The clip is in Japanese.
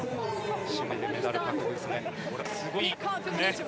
姉妹でメダル獲得ですね。